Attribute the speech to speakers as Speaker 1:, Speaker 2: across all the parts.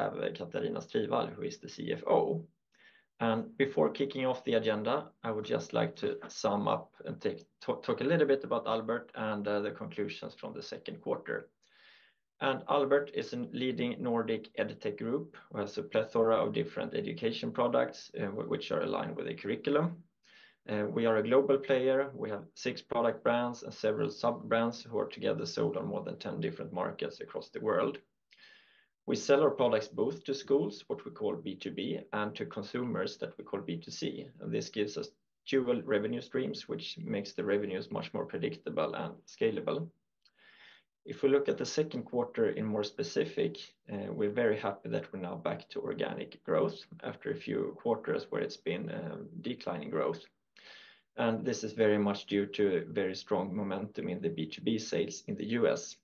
Speaker 1: I have Katarina Strivall, who is the CFO. And before kicking off the agenda, I would just like to sum up and talk a little bit about Albert and the conclusions from the second quarter. And Albert is a leading Nordic EdTech group, who has a plethora of different education products, which are aligned with the curriculum. We are a global player. We have six product brands and several sub-brands, who are together sold on more than 10 different markets across the world. We sell our products both to schools, what we call B2B, and to consumers, that we call B2C, and this gives us dual revenue streams, which makes the revenues much more predictable and scalable. If we look at the second quarter in more specific, we're very happy that we're now back to organic growth after a few quarters where it's been declining growth. And this is very much due to very strong momentum in the B2B sales in the U.S.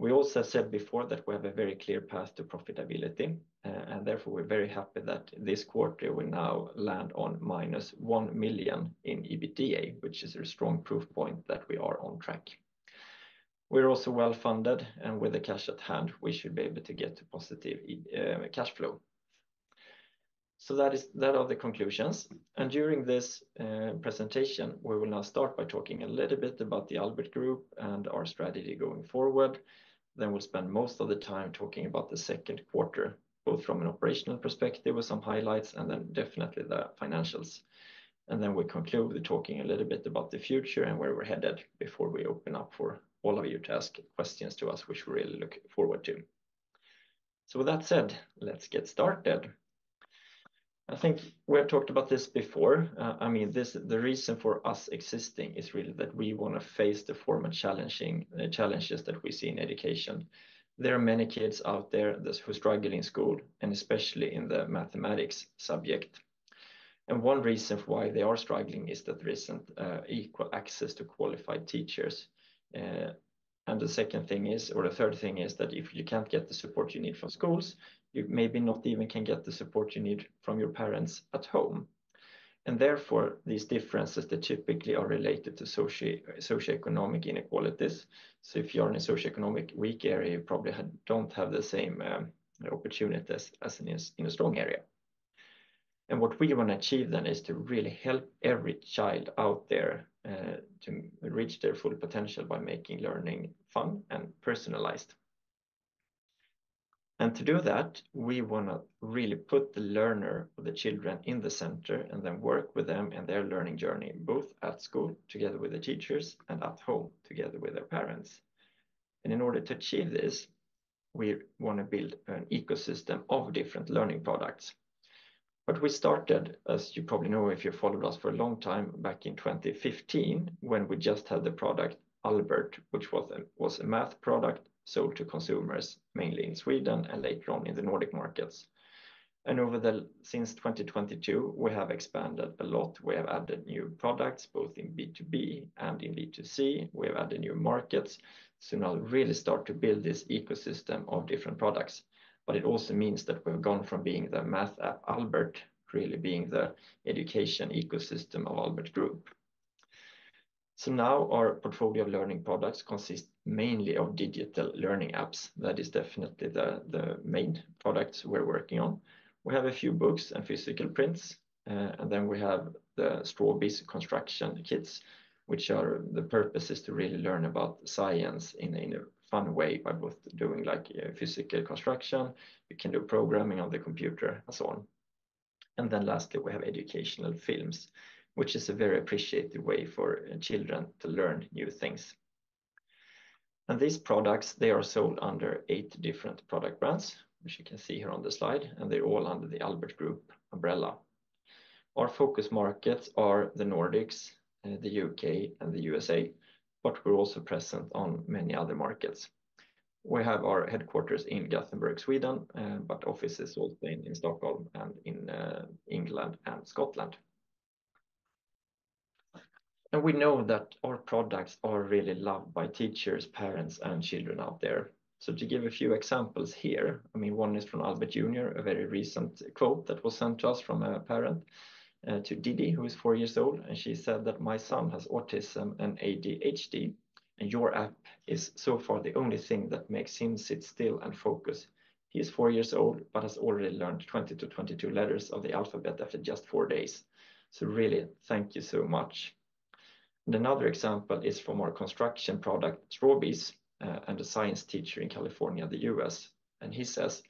Speaker 1: We also said before that we have a very clear path to profitability, and therefore, we're very happy that this quarter we now land on -1 million in EBITA, which is a strong proof point that we are on track. We're also well-funded, and with the cash at hand, we should be able to get to positive cash flow. So that is- that are the conclusions. And during this presentation, we will now start by talking a little bit about the Albert Group and our strategy going forward. Then we'll spend most of the time talking about the second quarter, both from an operational perspective with some highlights, and then definitely the financials, and then we conclude with talking a little bit about the future and where we're headed before we open up for all of you to ask questions to us, which we really look forward to, so with that said, let's get started. I think we have talked about this before. I mean, the reason for us existing is really that we wanna face the formidable challenges that we see in education. There are many kids out there that who struggle in school, and especially in the mathematics subject, and one reason why they are struggling is that there isn't equal access to qualified teachers. And the second thing is, or the third thing is, that if you can't get the support you need from schools, you maybe not even can get the support you need from your parents at home. And therefore, these differences that typically are related to socioeconomic inequalities. So if you are in a socioeconomic weak area, you probably don't have the same opportunities as in a strong area. And what we wanna achieve then is to really help every child out there to reach their full potential by making learning fun and personalized. And to do that, we wanna really put the learner or the children in the center and then work with them in their learning journey, both at school, together with the teachers, and at home, together with their parents. In order to achieve this, we want to build an ecosystem of different learning products. We started, as you probably know, if you followed us for a long time, back in 2015, when we just had the product, Albert, which was a math product, sold to consumers, mainly in Sweden and later on in the Nordic markets. Since 2022, we have expanded a lot. We have added new products, both in B2B and in B2C. We have added new markets, so now really start to build this ecosystem of different products. It also means that we've gone from being the math app, Albert, really being the education ecosystem of Albert Group. Now our portfolio of learning products consists mainly of digital learning apps. That is definitely the main products we're working on. We have a few books and physical prints, and then we have the Strawbees construction kits, which are. The purpose is to really learn about science in a fun way by both doing, like, physical construction. You can do programming on the computer and so on. And then lastly, we have educational films, which is a very appreciated way for children to learn new things. And these products, they are sold under eight different product brands, which you can see here on the slide, and they're all under the Albert Group umbrella. Our focus markets are the Nordics, the U.K. and the U.S.A., but we're also present on many other markets. We have our headquarters in Gothenburg, Sweden, but offices also in Stockholm and in England and Scotland. And we know that our products are really loved by teachers, parents, and children out there. So to give a few examples here, I mean, one is from Albert Junior, a very recent quote that was sent to us from a parent, Didi, whose son is four years old, and she said that, "My son has autism and ADHD, and your app is so far the only thing that makes him sit still and focus. He is four years old but has already learned 20-22 letters of the alphabet after just four days. So really, thank you so much." And another example is from our construction product, Strawbees, and a science teacher in California, the U.S., and he says: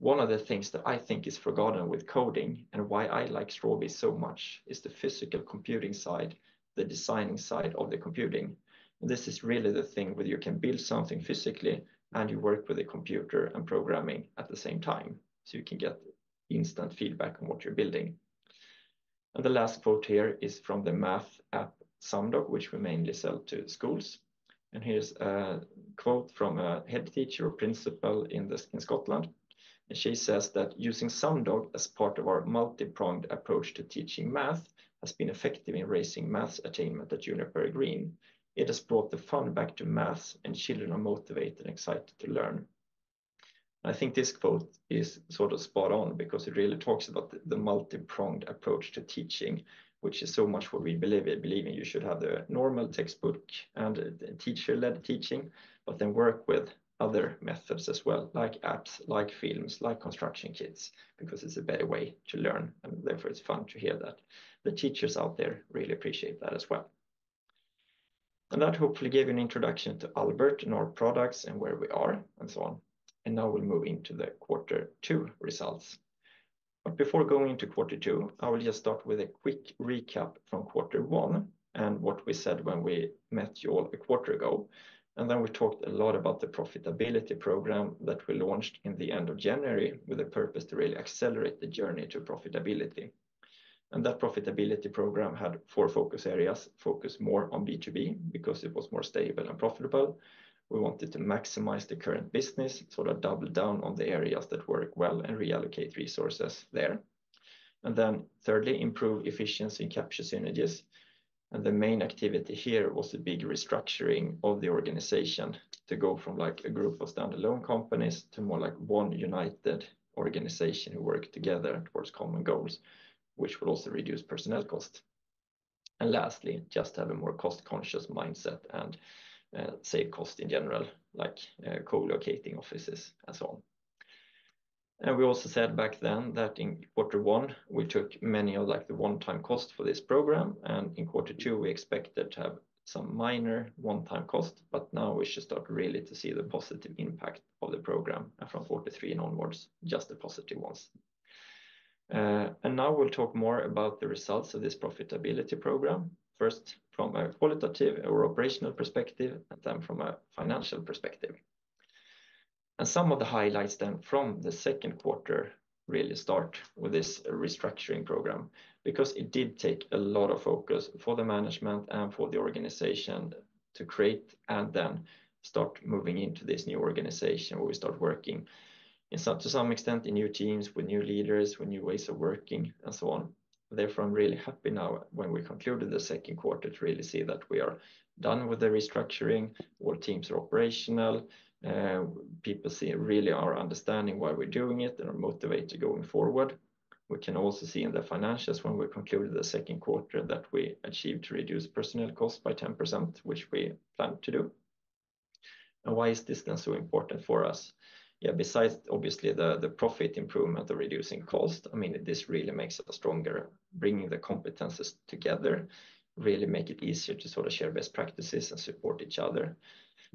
Speaker 1: "One of the things that I think is forgotten with coding and why I like Strawbees so much is the physical computing side, the designing side of the computing." This is really the thing where you can build something physically, and you work with a computer and programming at the same time, so you can get instant feedback on what you're building. And the last quote here is from the math app, Sumdog, which we mainly sell to schools. And here's a quote from a head teacher or principal in this, in Scotland. And she says that: "Using Sumdog as part of our multi-pronged approach to teaching math has been effective in raising maths attainment at Juniper Green. It has brought the fun back to math, and children are motivated and excited to learn."... I think this quote is sort of spot on because it really talks about the multi-pronged approach to teaching, which is so much what we believe in. You should have the normal textbook and the teacher-led teaching, but then work with other methods as well, like apps, like films, like construction kits, because it's a better way to learn, and therefore it's fun to hear that. The teachers out there really appreciate that as well. And that hopefully gave an introduction to Albert and our products and where we are, and so on. And now we'll move into the quarter two results. But before going into quarter two, I will just start with a quick recap from quarter one and what we said when we met you all a quarter ago. And then we talked a lot about the profitability program that we launched in the end of January with a purpose to really accelerate the journey to profitability. And that profitability program had four focus areas: focus more on B2B because it was more stable and profitable. We wanted to maximize the current business, sort of double down on the areas that work well and reallocate resources there. And then thirdly, improve efficiency and capture synergies. And the main activity here was a big restructuring of the organization to go from, like, a group of standalone companies to more like one united organization who work together towards common goals, which will also reduce personnel costs. And lastly, just have a more cost-conscious mindset and save cost in general, like co-locating offices and so on. We also said back then that in quarter one, we took many of, like, the one-time costs for this program, and in quarter two, we expected to have some minor one-time costs, but now we should start really to see the positive impact of the program, and from quarter three onwards, just the positive ones. And now we'll talk more about the results of this profitability program, first from a qualitative or operational perspective, and then from a financial perspective. And some of the highlights then from the second quarter really start with this restructuring program, because it did take a lot of focus for the management and for the organization to create and then start moving into this new organization, where we start working. To some extent, in new teams, with new leaders, with new ways of working, and so on. Therefore, I'm really happy now when we concluded the second quarter to really see that we are done with the restructuring. All teams are operational. People see... really are understanding why we're doing it and are motivated going forward. We can also see in the financials when we concluded the second quarter, that we achieved to reduce personnel costs by 10%, which we planned to do. Why is this then so important for us? Yeah, besides obviously the profit improvement or reducing cost, I mean, this really makes us stronger. Bringing the competencies together really make it easier to sort of share best practices and support each other.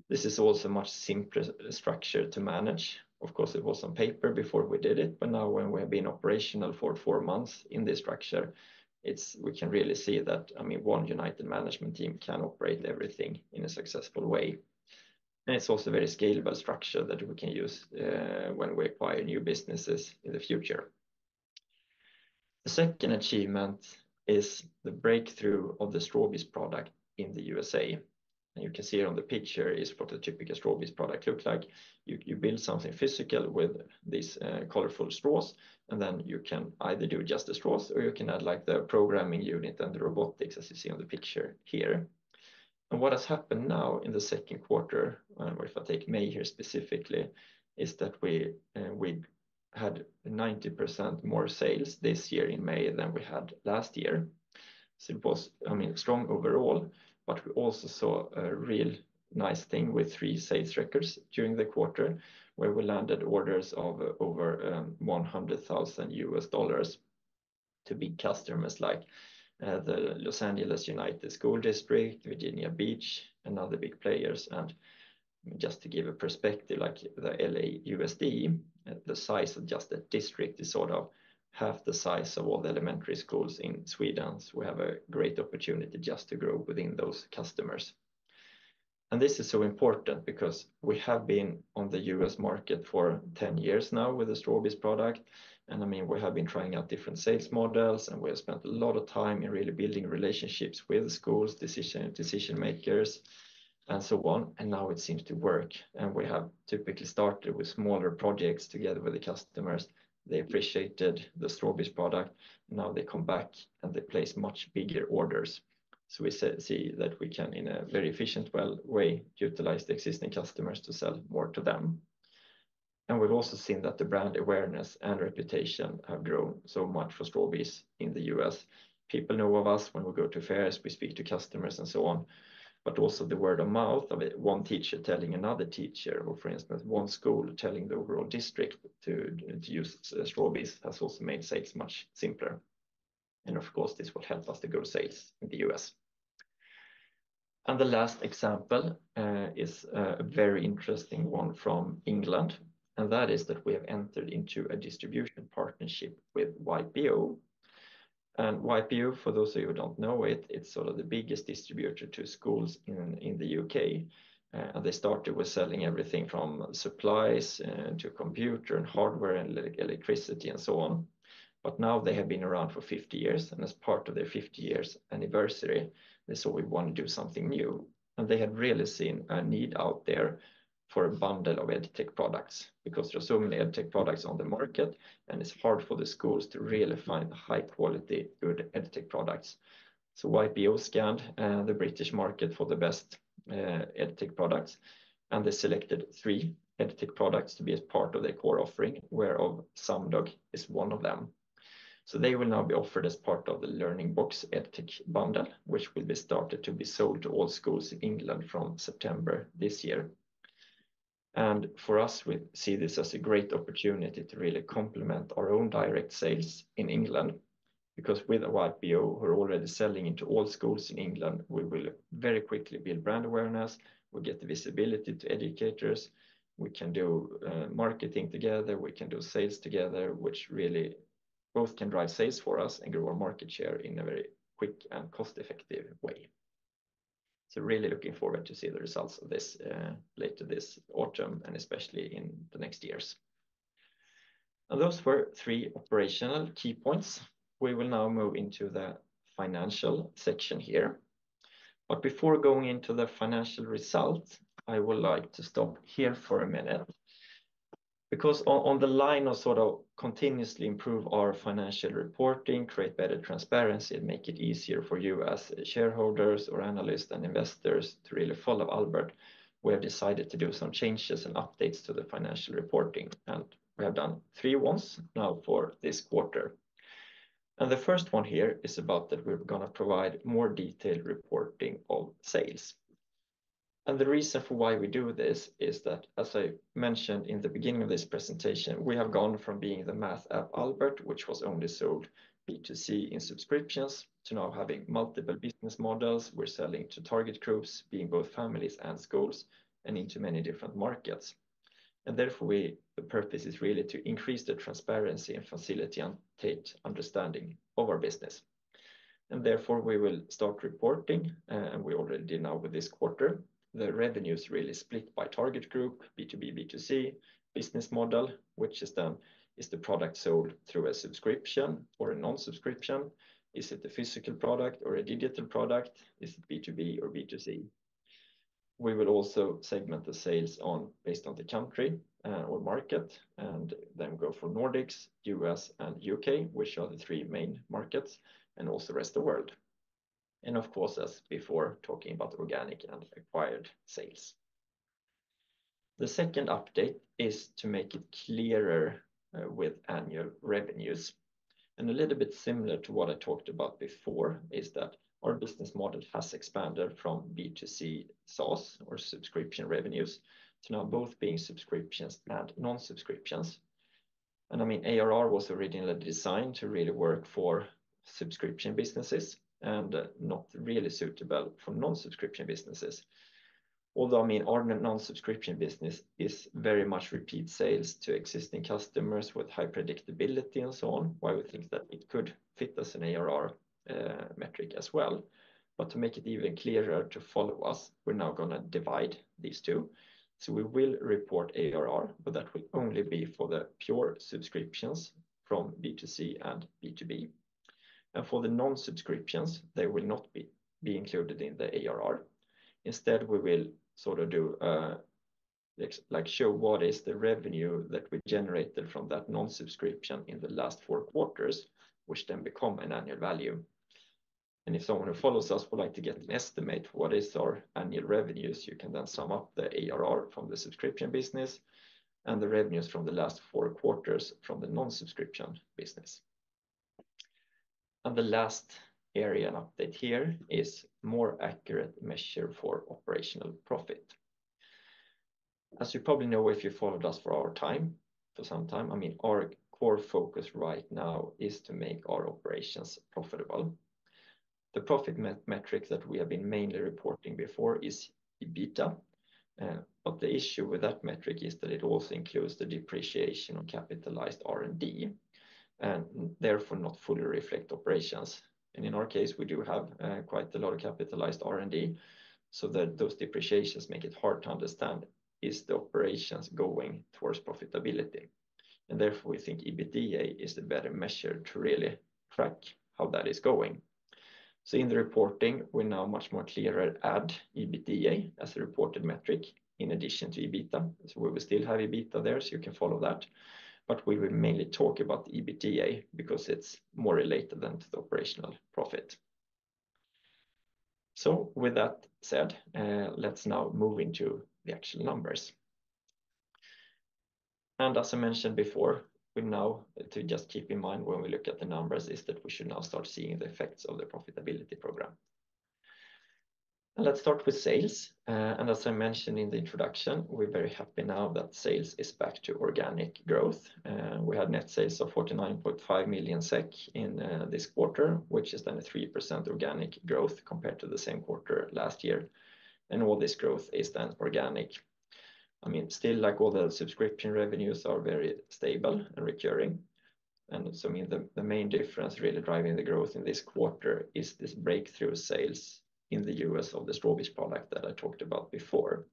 Speaker 1: This is also a much simpler structure to manage. Of course, it was on paper before we did it, but now, when we have been operational for four months in this structure, it's we can really see that, I mean, one united management team can operate everything in a successful way. And it's also a very scalable structure that we can use when we acquire new businesses in the future. The second achievement is the breakthrough of the Strawbees product in the U.S.A., and you can see it on the picture is what a typical Strawbees product looks like. You build something physical with these colorful straws, and then you can either do just the straws, or you can add, like, the programming unit and the robotics, as you see on the picture here. And what has happened now in the second quarter, or if I take May here specifically, is that we had 90% more sales this year in May than we had last year. So it was, I mean, strong overall, but we also saw a real nice thing with three sales records during the quarter, where we landed orders of over $100,000 to big customers like the Los Angeles Unified School District, Virginia Beach, and other big players. And just to give a perspective, like the LAUSD, the size of just the district is sort of half the size of all the elementary schools in Sweden. So we have a great opportunity just to grow within those customers. And this is so important because we have been on the U.S. market for 10 years now with the Strawbees product. I mean, we have been trying out different sales models, and we have spent a lot of time in really building relationships with schools, decision-makers, and so on. Now it seems to work, and we have typically started with smaller projects together with the customers. They appreciated the Strawbees product. Now they come back, and they place much bigger orders. We see that we can, in a very efficient, well, way, utilize the existing customers to sell more to them. We've also seen that the brand awareness and reputation have grown so much for Strawbees in the U.S. People know of us when we go to fairs, we speak to customers, and so on. But also the word of mouth, of one teacher telling another teacher, or for instance, one school telling the overall district to use Strawbees, has also made sales much simpler. And of course, this will help us to grow sales in the U.S. And the last example is a very interesting one from England, and that is that we have entered into a distribution partnership with YPO. And YPO, for those of you who don't know it, it's sort of the biggest distributor to schools in the U.K., and they started with selling everything from supplies to computer and hardware and electricity and so on. But now they have been around for fifty years, and as part of their fifty years anniversary, they said, "We want to do something new." And they have really seen a need out there... for a bundle of EdTech products, because there are so many EdTech products on the market, and it's hard for the schools to really find high-quality, good EdTech products, so YPO scanned the British market for the best EdTech products, and they selected three EdTech products to be as part of their core offering, where of Sumdog is one of them. So they will now be offered as part of the Learning Box EdTech bundle, which will be started to be sold to all schools in England from September this year, and for us, we see this as a great opportunity to really complement our own direct sales in England, because with YPO, we're already selling into all schools in England. We will very quickly build brand awareness, we'll get the visibility to educators, we can do marketing together, we can do sales together, which really both can drive sales for us and grow our market share in a very quick and cost-effective way, so really looking forward to see the results of this later this autumn, and especially in the next years. And those were three operational key points. We will now move into the financial section here. But before going into the financial results, I would like to stop here for a minute. Because on the line of sort of continuously improve our financial reporting, create better transparency, and make it easier for you as shareholders or analysts and investors to really follow Albert, we have decided to do some changes and updates to the financial reporting, and we have done three ones now for this quarter. And the first one here is about that we're gonna provide more detailed reporting of sales. And the reason for why we do this is that, as I mentioned in the beginning of this presentation, we have gone from being the math app, Albert, which was only sold B2C in subscriptions, to now having multiple business models. We're selling to target groups, being both families and schools, and into many different markets. And therefore, we, the purpose is really to increase the transparency and facilitate understanding of our business. And therefore, we will start reporting, and we already did now with this quarter, the revenues really split by target group, B2B, B2C, business model, which is done, is the product sold through a subscription or a non-subscription? Is it a physical product or a digital product? Is it B2B or B2C? We will also segment the sales on, based on the country, or market, and then go from Nordics, U.S. and U.K., which are the three main markets, and also the rest of the world. And of course, as before, talking about organic and acquired sales. The second update is to make it clearer, with annual revenues. And a little bit similar to what I talked about before is that our business model has expanded from B2C SaaS or subscription revenues to now both being subscriptions and non-subscriptions. And I mean, ARR was originally designed to really work for subscription businesses and not really suitable for non-subscription businesses. Although, I mean, our non-subscription business is very much repeat sales to existing customers with high predictability and so on, why we think that it could fit as an ARR, metric as well. To make it even clearer to follow us, we're now gonna divide these two. We will report ARR, but that will only be for the pure subscriptions from B2C and B2B. For the non-subscriptions, they will not be included in the ARR. Instead, we will sort of do, like show what is the revenue that we generated from that non-subscription in the last four quarters, which then become an annual value. If someone who follows us would like to get an estimate for what is our annual revenues, you can then sum up the ARR from the subscription business and the revenues from the last four quarters from the non-subscription business. The last area and update here is more accurate measure for operational profit. As you probably know, if you followed us for some time, I mean, our core focus right now is to make our operations profitable. The profit metric that we have been mainly reporting before is EBITDA, but the issue with that metric is that it also includes the depreciation of capitalized R&D, and therefore not fully reflect operations. In our case, we do have quite a lot of capitalized R&D, so that those depreciations make it hard to understand, is the operations going towards profitability? Therefore, we think EBITA is the better measure to really track how that is going. In the reporting, we're now much more clearer add EBITA as a reported metric in addition to EBITDA. We will still have EBITDA there, so you can follow that. But we will mainly talk about EBITdA because it's more related than to the operational profit. So with that said, let's now move into the actual numbers. And as I mentioned before, we now, to just keep in mind when we look at the numbers, is that we should now start seeing the effects of the profitability program. Let's start with sales. And as I mentioned in the introduction, we're very happy now that sales is back to organic growth. We had net sales of 49.5 million SEK in this quarter, which is then a 3% organic growth compared to the same quarter last year. And all this growth is then organic. I mean, still, like all the subscription revenues are very stable and recurring. I mean, the main difference really driving the growth in this quarter is this breakthrough sales in the U.S. of the Strawbees product that I talked about before.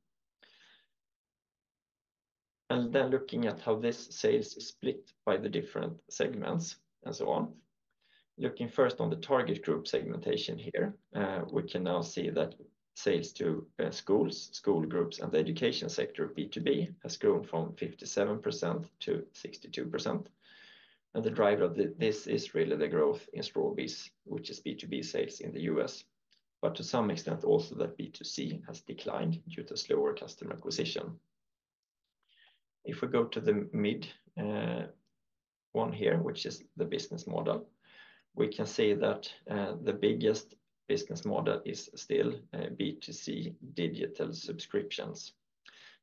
Speaker 1: Then looking at how this sales is split by the different segments and so on. Looking first on the target group segmentation here, we can now see that sales to schools, school groups, and the education sector, B2B, has grown from 57% to 62%. And the driver of this is really the growth in Strawbees, which is B2B sales in the U.S., but to some extent, also that B2C has declined due to slower customer acquisition. If we go to the middle one here, which is the business model, we can see that the biggest business model is still B2C digital subscriptions,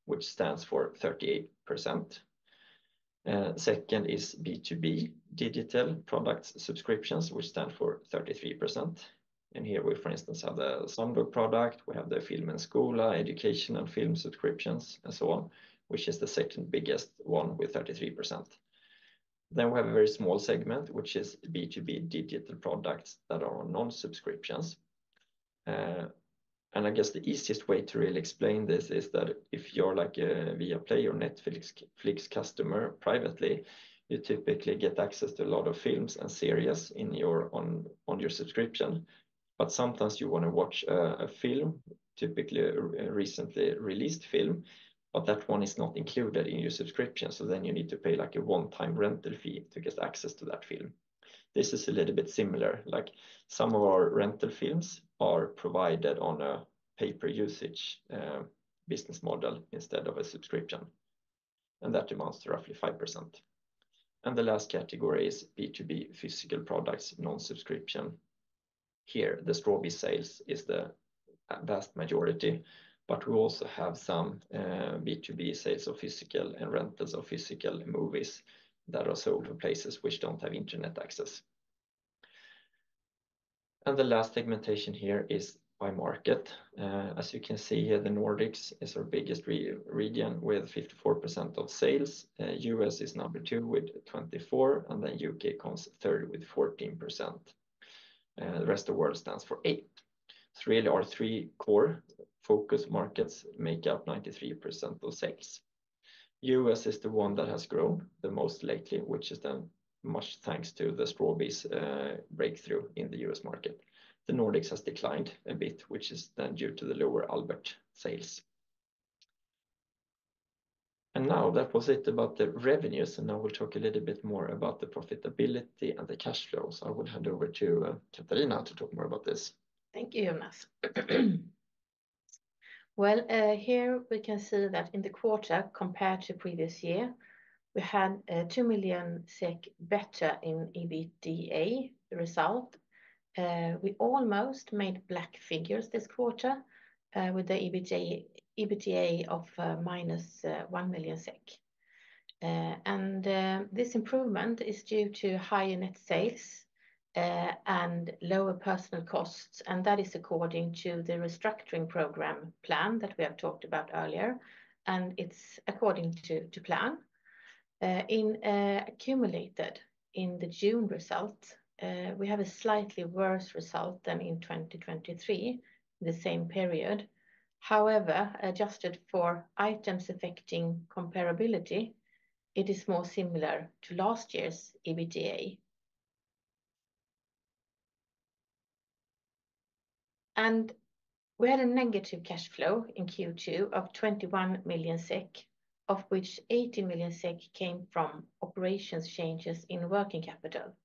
Speaker 1: which stands for 38%. Second is B2B digital product subscriptions, which stand for 33%. And here we, for instance, have the Sumdog product, we have the Film och Skola, educational film subscriptions, and so on, which is the second biggest one with 33%. Then we have a very small segment, which is B2B digital products that are non-subscriptions. And I guess the easiest way to really explain this is that if you're like a Viaplay or Netflix customer privately, you typically get access to a lot of films and series in your on your subscription. But sometimes you want to watch a film, typically a recently released film, but that one is not included in your subscription, so then you need to pay, like, a one-time rental fee to get access to that film. This is a little bit similar. Like, some of our rental films are provided on a pay-per-usage business model instead of a subscription, and that amounts to roughly 5%. And the last category is B2B physical products, non-subscription. Here, the Strawbees sales is the vast majority, but we also have some B2B sales of physical and rentals of physical movies that are sold to places which don't have internet access. And the last segmentation here is by market. As you can see here, the Nordics is our biggest region, with 54% of sales. U.S. is number two with 24%, and then U.K. comes third with 14%. The rest of world stands for 8%. So really, our three core focus markets make up 93% of sales. U.S. is the one that has grown the most lately, which is then much thanks to the Strawbees breakthrough in the U.S. market. The Nordics has declined a bit, which is then due to the lower Albert sales. And now that was it about the revenues, and now we'll talk a little bit more about the profitability and the cash flows. I will hand over to Katarina to talk more about this.
Speaker 2: Thank you, Jonas. Here we can see that in the quarter, compared to previous year, we had 2 million better in EBITDA result. We almost made black figures this quarter, with the EBITDA of -1 million SEK. This improvement is due to higher net sales and lower personal costs, and that is according to the restructuring program plan that we have talked about earlier, and it's according to plan. In the accumulated June result, we have a slightly worse result than in 2023, the same period. However, adjusted for items affecting comparability, it is more similar to last year's EBITDA. We had a negative cash flow in Q2 of 21 million SEK, of which 80 million SEK came from operations changes in working capital.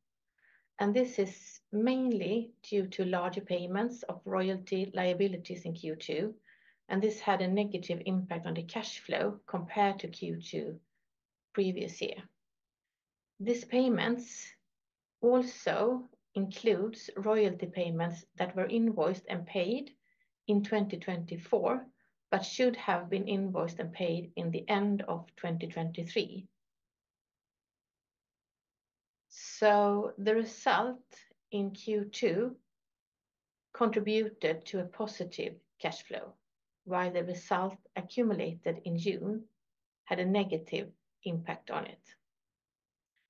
Speaker 2: This is mainly due to larger payments of royalty liabilities in Q2, and this had a negative impact on the cash flow compared to Q2 previous year. These payments also include royalty payments that were invoiced and paid in 2024, but should have been invoiced and paid in the end of 2023. The result in Q2 contributed to a positive cash flow, while the result accumulated in June had a negative impact on it.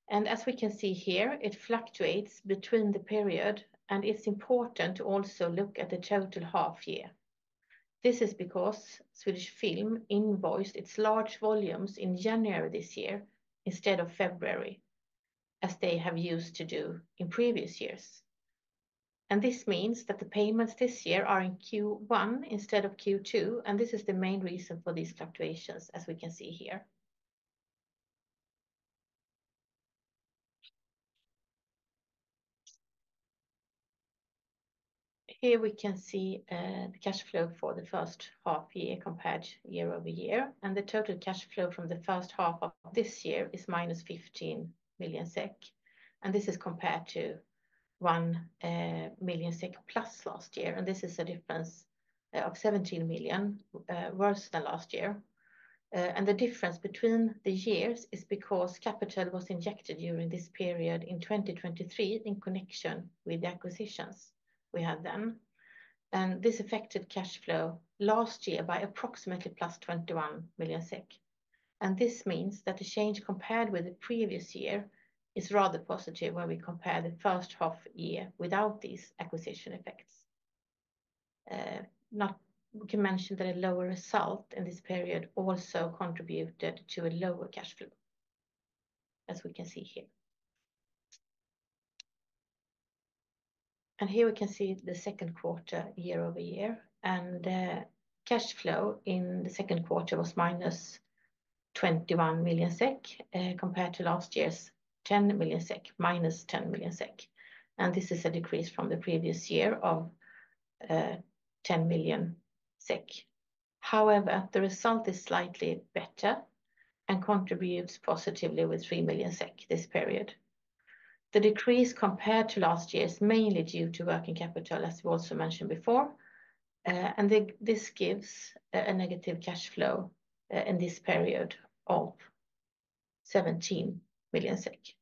Speaker 2: As we can see here, it fluctuates between the period, and it's important to also look at the total half year. This is because Swedish Film invoiced its large volumes in January this year instead of February, as they have used to do in previous years. And this means that the payments this year are in Q1 instead of Q2, and this is the main reason for these fluctuations, as we can see here. Here we can see the cash flow for the first half year compared year-over-year, and the total cash flow from the first half of this year is -15 million SEK, and this is compared to 1+ million SEK last year, and this is a difference of 17 million worse than last year. And the difference between the years is because capital was injected during this period in 2023 in connection with the acquisitions we had then, and this affected cash flow last year by approximately +21 million SEK. And this means that the change compared with the previous year is rather positive when we compare the first half year without these acquisition effects. Now we can mention that a lower result in this period also contributed to a lower cash flow, as we can see here. And here we can see the second quarter year-over-year, and cash flow in the second quarter was -21 million SEK, compared to last year's 10 million SEK, -10 million SEK. And this is a decrease from the previous year of 10 million SEK. However, the result is slightly better and contributes positively with 3 million SEK this period. The decrease compared to last year is mainly due to working capital, as we also mentioned before, and this gives a negative cash flow in this period of 17 million SEK.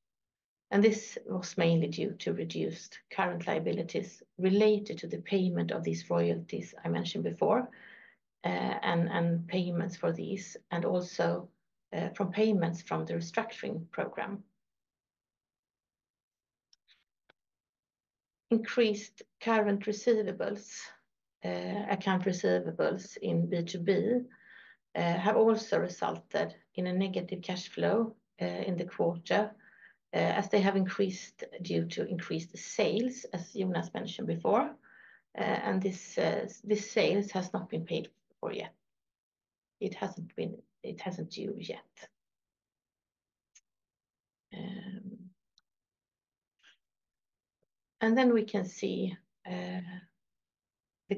Speaker 2: This was mainly due to reduced current liabilities related to the payment of these royalties I mentioned before, and payments for these, and also from payments from the restructuring program. Increased current receivables, accounts receivable in B2B, have also resulted in a negative cash flow in the quarter, as they have increased due to increased sales, as Jonas mentioned before, and this sales has not been paid for yet. It hasn't been due yet. Then we can see the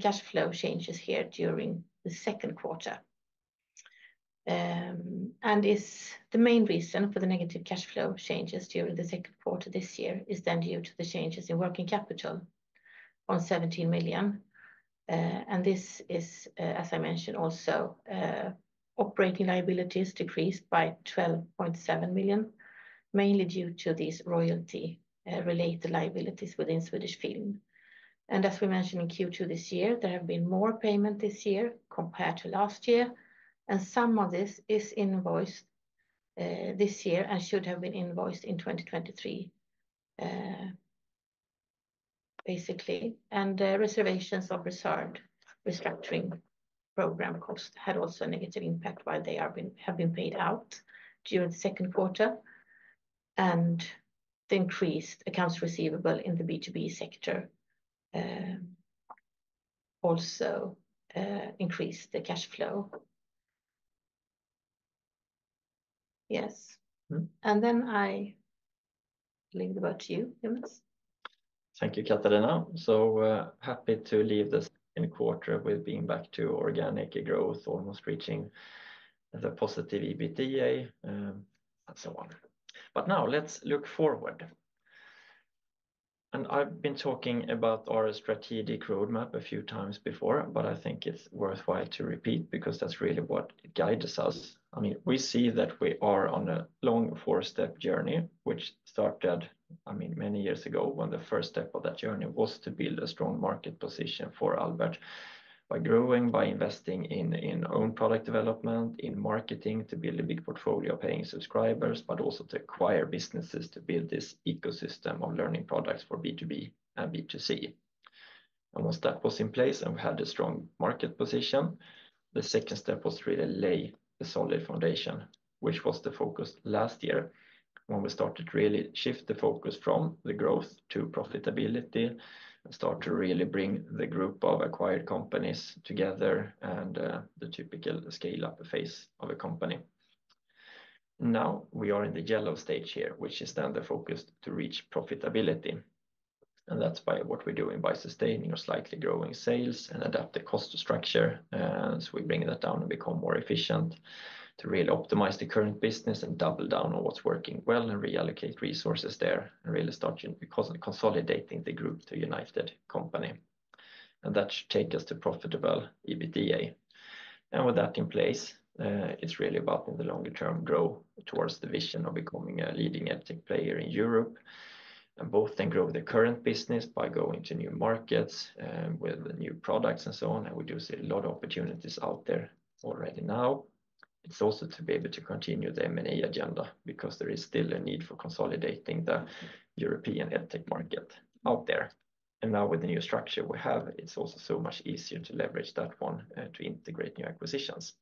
Speaker 2: cash flow changes here during the second quarter. The main reason for the negative cash flow changes during the second quarter this year is then due to the changes in working capital on 17 million. This is, as I mentioned, also, operating liabilities decreased by 12.7 million, mainly due to these royalty related liabilities within Swedish Film. And as we mentioned in Q2 this year, there have been more payment this year compared to last year, and some of this is invoiced this year and should have been invoiced in 2023, basically. And reservations of reserved restructuring program costs had also a negative impact while they are been, have been paid out during the second quarter, and the increased accounts receivable in the B2B sector also increased the cash flow. Yes.
Speaker 1: Mm-hmm.
Speaker 2: Then I leave it up to you, Jonas.
Speaker 1: Thank you, Katarina. So, happy to leave this quarter with being back to organic growth, almost reaching the positive EBITDA, and so on. But now let's look forward. And I've been talking about our strategic roadmap a few times before, but I think it's worthwhile to repeat, because that's really what guides us. I mean, we see that we are on a long four-step journey, which started, I mean, many years ago, when the first step of that journey was to build a strong market position for Albert by growing, by investing in own product development, in marketing, to build a big portfolio of paying subscribers, but also to acquire businesses to build this ecosystem of learning products for B2B and B2C. And once that was in place and we had a strong market position, the second step was to really lay a solid foundation, which was the focus last year, when we started to really shift the focus from the growth to profitability and start to really bring the group of acquired companies together and, the typical scale-up phase of a company. Now, we are in the yellow stage here, which is then the focus to reach profitability, and that's by what we're doing, by sustaining or slightly growing sales and adapt the cost structure, so we bring that down and become more efficient to really optimize the current business and double down on what's working well and reallocate resources there, and really starting consolidating the group to a united company. And that should take us to profitable EBITDA. And with that in place, it's really about, in the longer term, grow towards the vision of becoming a leading EdTech player in Europe, and both then grow the current business by going to new markets, with new products and so on. And we do see a lot of opportunities out there already now. It's also to be able to continue the M&A agenda because there is still a need for consolidating the European EdTech market out there. And now with the new structure we have, it's also so much easier to leverage that one, to integrate new acquisitions.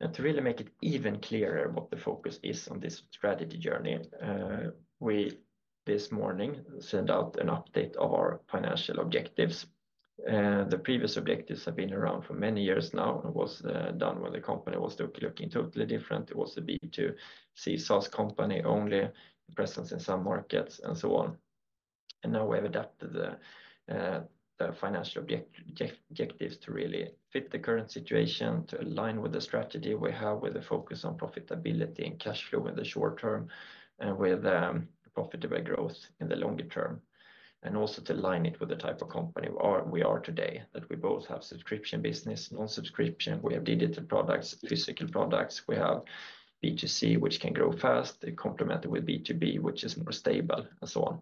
Speaker 1: And to really make it even clearer what the focus is on this strategy journey, we this morning sent out an update of our financial objectives. The previous objectives have been around for many years now, and it was done when the company was still looking totally different. It was a B2C SaaS company, only presence in some markets and so on. And now we have adapted the financial objectives to really fit the current situation, to align with the strategy we have, with the focus on profitability and cash flow in the short term, and with profitable growth in the longer term, and also to align it with the type of company we are today, that we both have subscription business, non-subscription, we have digital products, physical products, we have B2C, which can grow fast, complemented with B2B, which is more stable, and so on.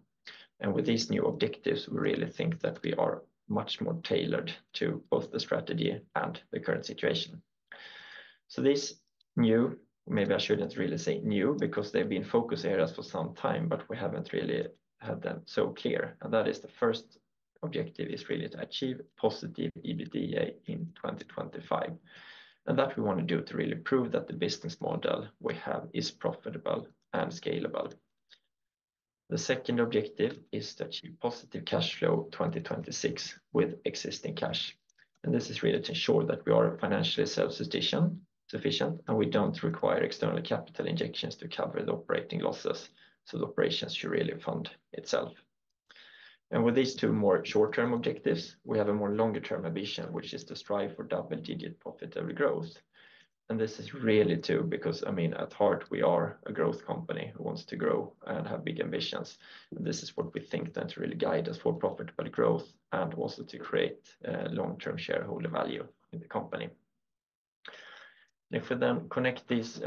Speaker 1: And with these new objectives, we really think that we are much more tailored to both the strategy and the current situation. So this new, maybe I shouldn't really say new, because they've been focus areas for some time, but we haven't really had them so clear. And that is the first objective, is really to achieve positive EBITDA in 2025. And that we want to do to really prove that the business model we have is profitable and scalable. The second objective is to achieve positive cash flow 2026 with existing cash, and this is really to ensure that we are financially self-sufficient, and we don't require external capital injections to cover the operating losses, so the operation should really fund itself. And with these two more short-term objectives, we have a more longer-term ambition, which is to strive for double-digit profitability growth. This is really, too, because, I mean, at heart, we are a growth company who wants to grow and have big ambitions. This is what we think that really guide us for profitable growth and also to create long-term shareholder value in the company. If we then connect these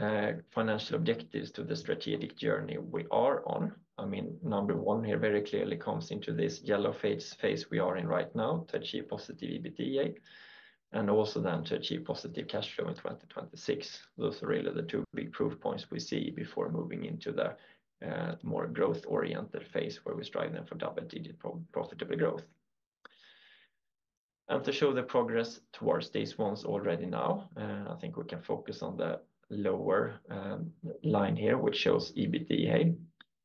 Speaker 1: financial objectives to the strategic journey we are on, I mean, number one here very clearly comes into this yellow phase we are in right now to achieve positive EBITDA and also then to achieve positive cash flow in 2026. Those are really the two big proof points we see before moving into the more growth-oriented phase, where we strive them for double-digit profitability growth. To show the progress towards these ones already now, I think we can focus on the lower line here, which shows EBITDA.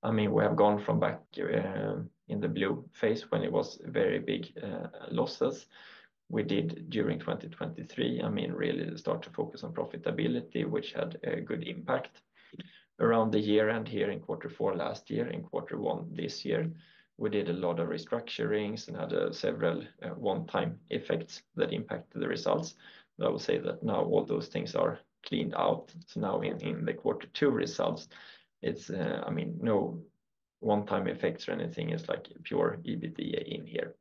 Speaker 1: I mean, we have gone from back in the blue phase, when it was very big losses. We did during 2023, I mean, really start to focus on profitability, which had a good impact. Around the year-end here in quarter four last year, in quarter one this year, we did a lot of restructurings and had several one-time effects that impacted the results. But I will say that now all those things are cleaned out. So now in the quarter two results, it's, I mean, no one-time effects or anything. It's like pure EBITDA in here.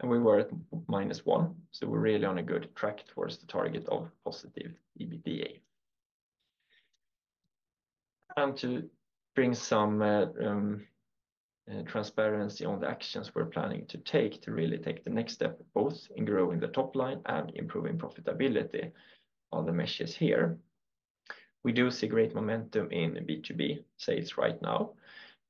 Speaker 1: And we were at minus one, so we're really on a good track towards the target of positive EBITDA. And to bring some transparency on the actions we're planning to take to really take the next step, both in growing the top line and improving profitability on the margins here. We do see great momentum in B2B sales right now,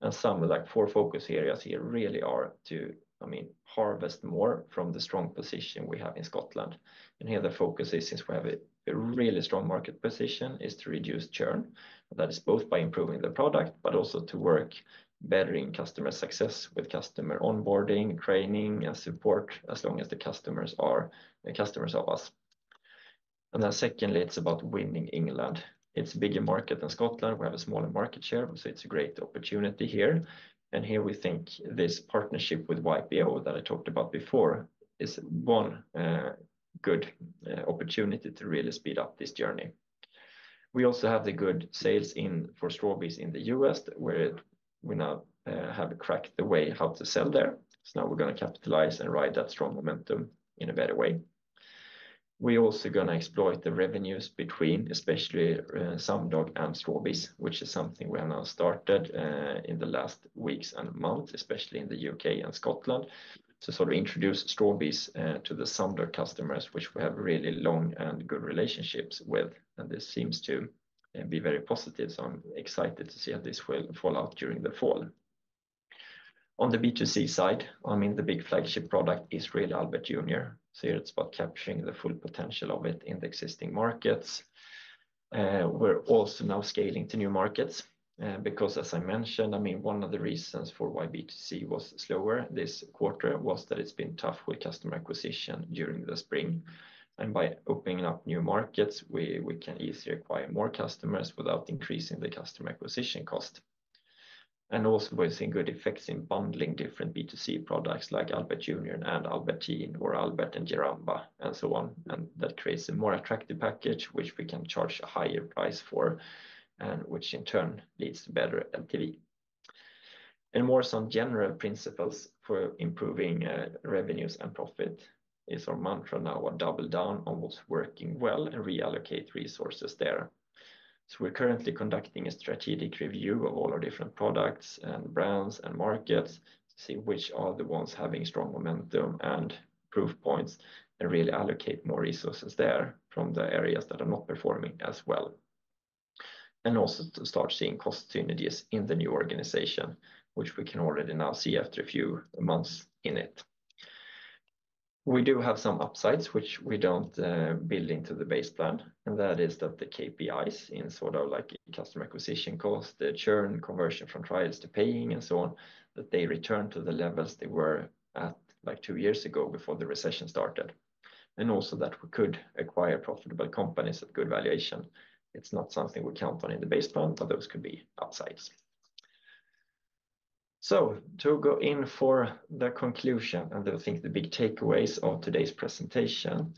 Speaker 1: and some of, like, four focus areas here really are to, I mean, harvest more from the strong position we have in Scotland. And here the focus is, since we have a really strong market position, is to reduce churn. That is both by improving the product, but also to work bettering customer success with customer onboarding, training, and support as long as the customers are customers of us. And then secondly, it's about winning England. It's a bigger market than Scotland. We have a smaller market share, so it's a great opportunity here. Here we think this partnership with YPO, that I talked about before, is one good opportunity to really speed up this journey. We also have the good sales in for Strawbees in the U.S., where we now have cracked the way how to sell there. Now we're gonna capitalize and ride that strong momentum in a better way. We're also gonna exploit the revenues between especially Sumdog and Strawbees, which is something we have now started in the last weeks and months, especially in the U.K. and Scotland. To sort of introduce Strawbees to the Sumdog customers, which we have really long and good relationships with, and this seems to be very positive. I'm excited to see how this will fall out during the fall. On the B2C side, I mean, the big flagship product is really Albert Junior. So here it's about capturing the full potential of it in the existing markets. We're also now scaling to new markets, because as I mentioned, I mean, one of the reasons for why B2C was slower this quarter was that it's been tough with customer acquisition during the spring. And by opening up new markets, we can easily acquire more customers without increasing the customer acquisition cost. And also, we're seeing good effects in bundling different B2C products, like Albert Junior and Albert Teen or Albert and Jaramba and so on. And that creates a more attractive package, which we can charge a higher price for and which in turn leads to better LTV. And more some general principles for improving revenues and profit is our mantra now are double down on what's working well and reallocate resources there. We're currently conducting a strategic review of all our different products and brands and markets to see which are the ones having strong momentum and proof points, and really allocate more resources there from the areas that are not performing as well. Also to start seeing cost synergies in the new organization, which we can already now see after a few months in it. We do have some upsides, which we don't build into the base plan, and that is that the KPIs in sort of like customer acquisition cost, the churn, conversion from trials to paying, and so on, that they return to the levels they were at, like two years ago before the recession started, and also that we could acquire profitable companies at good valuation. It's not something we count on in the base plan, but those could be upsides. So to go in for the conclusion, and I think the big takeaways of today's presentation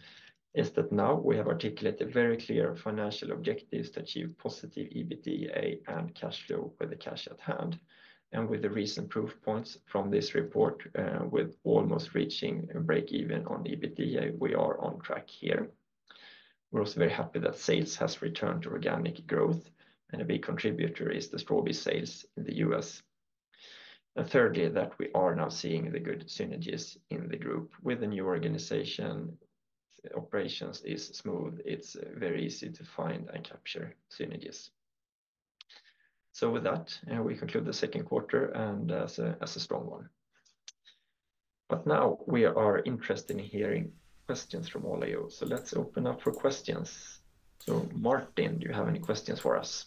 Speaker 1: is that now we have articulated very clear financial objectives to achieve positive EBITDA and cash flow with the cash at hand. And with the recent proof points from this report, with almost reaching a break-even on EBITDA, we are on track here. We're also very happy that sales has returned to organic growth, and a big contributor is the Strawbees sales in the U.S. And thirdly, that we are now seeing the good synergies in the group. With the new organization, operations is smooth. It's very easy to find and capture synergies. So with that, we conclude the second quarter, and as a, as a strong one. But now we are interested in hearing questions from all of you. So let's open up for questions. So Martin, do you have any questions for us?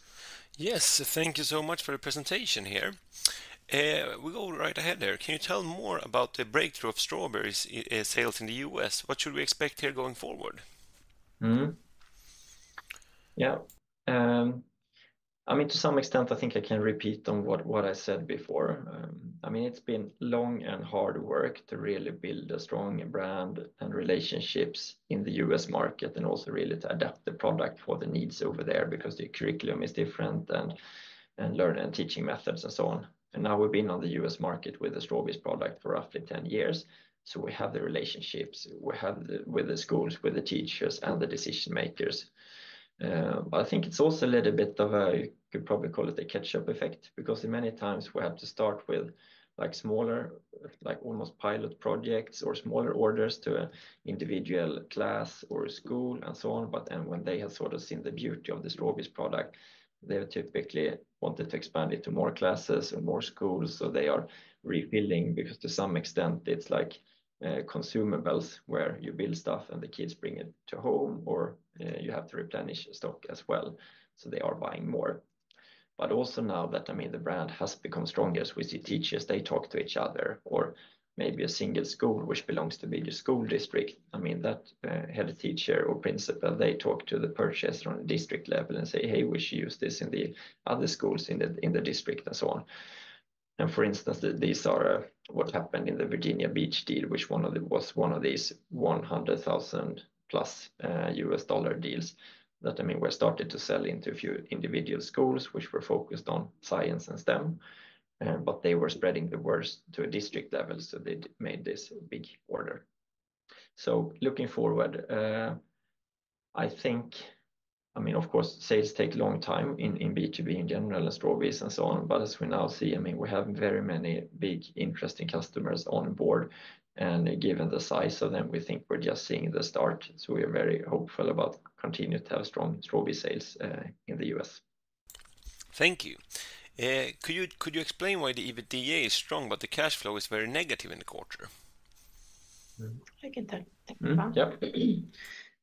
Speaker 3: Yes. Thank you so much for the presentation here. We go right ahead there. Can you tell more about the breakthrough of Strawbees sales in the U.S.? What should we expect here going forward?
Speaker 1: Mm-hmm. Yeah, I mean, to some extent, I think I can repeat on what I said before. I mean, it's been long and hard work to really build a strong brand and relationships in the U.S. market, and also really to adapt the product for the needs over there, because the curriculum is different and learning and teaching methods and so on, and now we've been on the U.S. market with the Strawbees product for roughly 10 years, so we have the relationships. We have with the schools, with the teachers, and the decision-makers, but I think it's also a little bit of a, you could probably call it the catch-up effect, because in many times we have to start with, like, smaller, like, almost pilot projects or smaller orders to individual class or school and so on. But then when they have sort of seen the beauty of the Strawbees product, they typically wanted to expand it to more classes and more schools, so they are refilling because to some extent it's like, consumables, where you build stuff and the kids bring it to home, or, you have to replenish stock as well, so they are buying more. But also now that, I mean, the brand has become stronger, with the teachers, they talk to each other, or maybe a single school, which belongs to bigger school district, I mean, that, head teacher or principal, they talk to the purchaser on a district level and say, "Hey, we should use this in the other schools in the district," and so on. For instance, these are what happened in the Virginia Beach deal, which was one of these $100,000+ deals that, I mean, we started to sell into a few individual schools, which were focused on science and STEM, but they were spreading the word to a district level, so they'd made this big order. Looking forward, I think. I mean, of course, sales take a long time in B2B in general, Strawbees and so on. But as we now see, I mean, we have very many big, interesting customers on board, and given the size of them, we think we're just seeing the start. We are very hopeful about continuing to have strong Strawbees sales in the U.S.
Speaker 3: Thank you. Could you explain why the EBITDA is strong, but the cash flow is very negative in the quarter?
Speaker 2: I can take that one.
Speaker 1: Mm-hmm.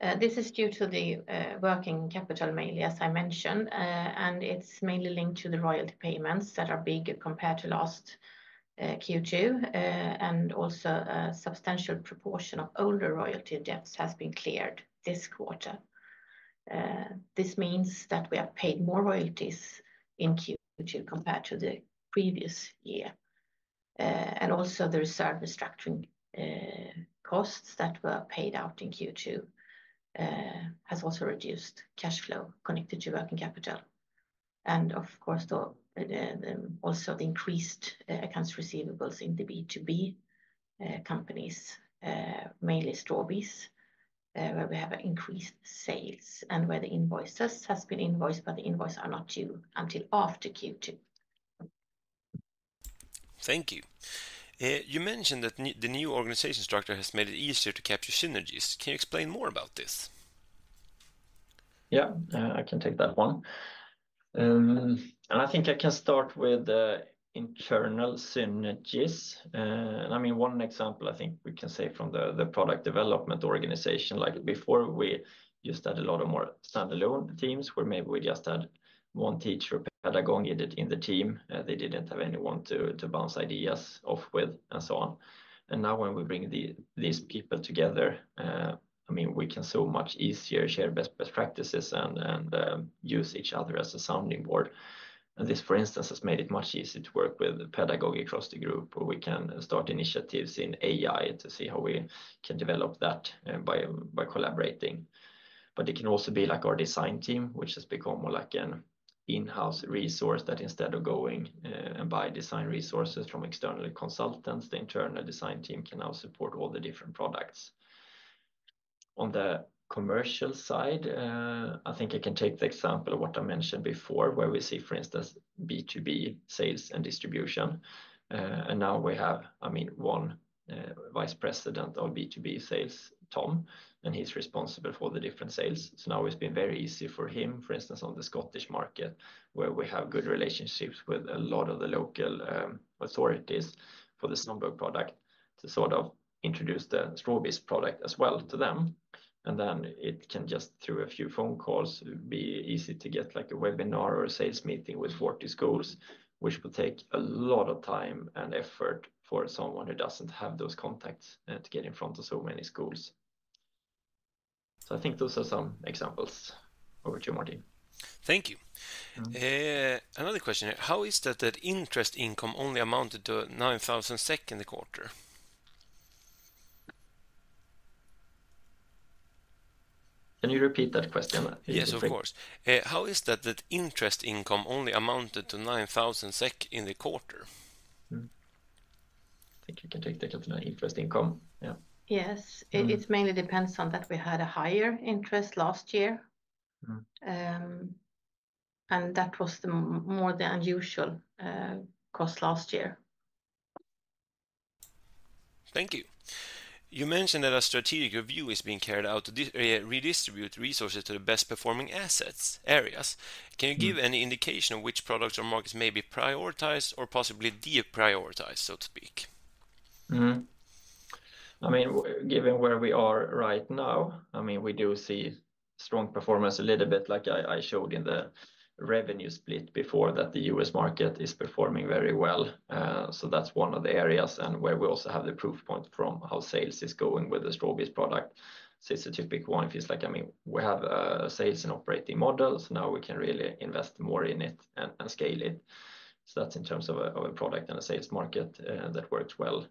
Speaker 1: Yep.
Speaker 2: This is due to the working capital, mainly, as I mentioned, and it's mainly linked to the royalty payments that are big compared to last Q2, and also a substantial proportion of older royalty debts has been cleared this quarter. This means that we have paid more royalties in Q2 compared to the previous year. And also the reserve restructuring costs that were paid out in Q2 has also reduced cash flow connected to working capital. And of course, also the increased accounts receivables in the B2B companies, mainly Strawbees, where we have increased sales and where the invoices has been invoiced, but the invoice are not due until after Q2.
Speaker 3: Thank you. You mentioned that the new organization structure has made it easier to capture synergies. Can you explain more about this?
Speaker 1: Yeah, I can take that one. And I think I can start with the internal synergies. I mean, one example, I think we can say from the product development organization. Like before, we just had a lot more standalone teams, where maybe we just had one teacher, pedagog, in the team. They didn't have anyone to bounce ideas off with and so on. And now when we bring these people together, I mean, we can so much easier share best practices and use each other as a sounding board. And this, for instance, has made it much easier to work with pedagogy across the group, where we can start initiatives in AI to see how we can develop that by collaborating. But it can also be like our design team, which has become more like an in-house resource, that instead of going and buy design resources from external consultants, the internal design team can now support all the different products. On the commercial side, I think I can take the example of what I mentioned before, where we see, for instance, B2B sales and distribution, and now we have, I mean, one vice president on B2B sales, Tom, and he's responsible for the different sales. So now it's been very easy for him, for instance, on the Scottish market, where we have good relationships with a lot of the local authorities for the Sumdog product, to sort of introduce the Strawbees product as well to them. And then it can just, through a few phone calls, be easy to get, like, a webinar or a sales meeting with 40 schools, which would take a lot of time and effort for someone who doesn't have those contacts, to get in front of so many schools. So I think those are some examples. Over to you, Martin.
Speaker 3: Thank you.
Speaker 1: Mm-hmm.
Speaker 3: Another question here: How is it that interest income only amounted to 9,000 in the quarter?
Speaker 1: Can you repeat that question?
Speaker 3: Yes, of course. How is it that interest income only amounted to 9,000 SEK in the quarter?...
Speaker 1: I think you can take that to an interest income. Yeah.
Speaker 2: Yes. It mainly depends on that we had a higher interest last year.
Speaker 1: Mm-hmm.
Speaker 2: And that was the more than usual cost last year.
Speaker 3: Thank you. You mentioned that a strategic review is being carried out to redistribute resources to the best performing assets, areas.
Speaker 1: Mm-hmm.
Speaker 3: Can you give any indication of which products or markets may be prioritized or possibly deprioritized, so to speak?
Speaker 1: Mm-hmm. I mean, given where we are right now, I mean, we do see strong performance a little bit like I showed in the revenue split before, that the U.S. market is performing very well. So that's one of the areas, and where we also have the proof point from how sales is going with the Strawbees product. So it's a typical one if it's like, I mean, we have sales and operating models now we can really invest more in it and scale it. So that's in terms of a product and a sales market that works well.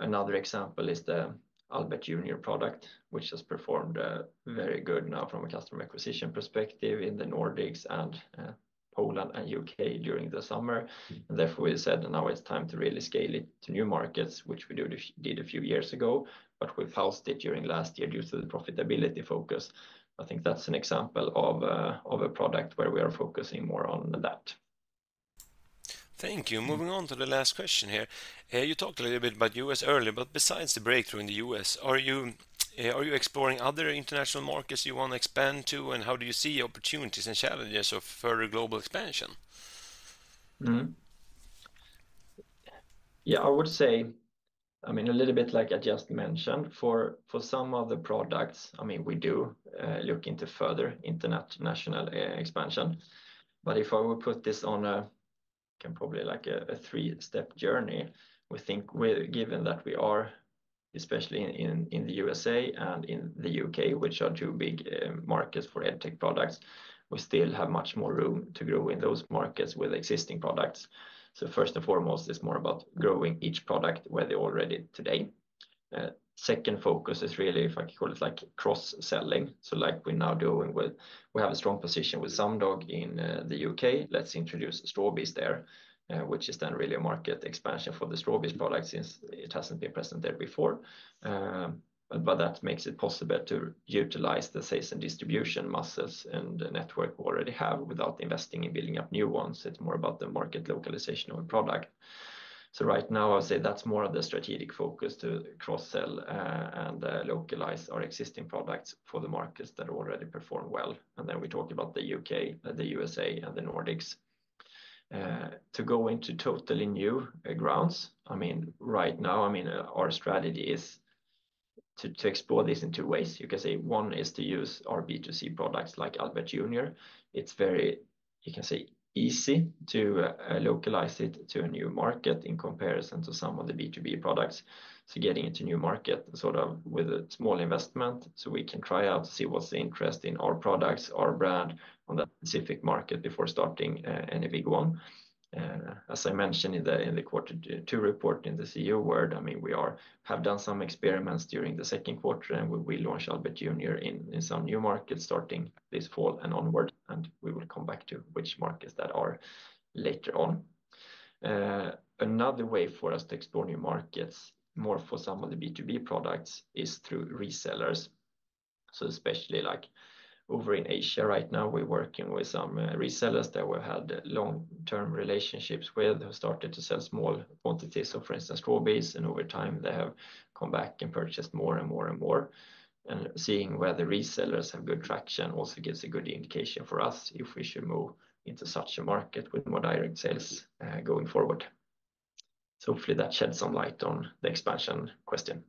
Speaker 1: Another example is the Albert Junior product, which has performed very good now from a customer acquisition perspective in the Nordics and Poland and U.K. during the summer. Therefore, we said now it's time to really scale it to new markets, which we did a few years ago, but we've housed it during last year due to the profitability focus. I think that's an example of a product where we are focusing more on that.
Speaker 3: Thank you. Moving on to the last question here. You talked a little bit about U.S. earlier, but besides the breakthrough in the U.S., are you exploring other international markets you wanna expand to? And how do you see opportunities and challenges of further global expansion?
Speaker 1: Mm-hmm. Yeah, I would say, I mean, a little bit like I just mentioned, for some of the products, I mean, we do look into further international expansion. But if I were to put this on a kind of like a three-step journey, we think we're... Given that we are, especially in the U.S.A. and in the U.K., which are two big markets for ed tech products, we still have much more room to grow in those markets with existing products. So first and foremost, it's more about growing each product where they're already today. Second focus is really, if I can call it, like cross-selling. So like we're now doing with, we have a strong position with Sumdog in the U.K. Let's introduce Strawbees there, which is then really a market expansion for the Strawbees product since it hasn't been present there before. But that makes it possible to utilize the sales and distribution muscles and the network we already have without investing in building up new ones. It's more about the market localization of a product. So right now, I would say that's more of the strategic focus, to cross-sell and localize our existing products for the markets that already perform well, and then we talk about the U.K., and the USA, and the Nordics. To go into totally new grounds, I mean, right now, I mean, our strategy is to explore this in two ways. You can say one is to use our B2C products like Albert Junior. It's very, you can say, easy to localize it to a new market in comparison to some of the B2B products. So getting into new market, sort of with a small investment, so we can try out to see what's the interest in our products, our brand, on that specific market before starting any big one. As I mentioned in the, in the quarter two report, in the CEO word, I mean, we have done some experiments during the second quarter, and we launched Albert Junior in some new markets starting this fall and onward, and we will come back to which markets that are later on. Another way for us to explore new markets, more for some of the B2B products, is through resellers. So especially, like over in Asia right now, we're working with some resellers that we've had long-term relationships with, who started to sell small quantities of, for instance, Strawbees, and over time they have come back and purchased more, and more, and more. And seeing whether resellers have good traction also gives a good indication for us if we should move into such a market with more direct sales going forward. So hopefully that sheds some light on the expansion question.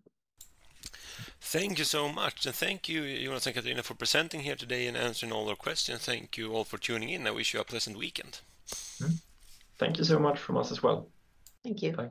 Speaker 3: Thank you so much, and thank you, Jonas and Katarina, for presenting here today and answering all our questions. Thank you all for tuning in. I wish you a pleasant weekend.
Speaker 1: Mm-hmm. Thank you so much from us as well.
Speaker 2: Thank you.
Speaker 1: Bye-bye.